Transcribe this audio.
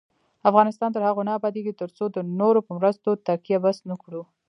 افغانستان تر هغو نه ابادیږي، ترڅو د نورو په مرستو تکیه بس نکړو.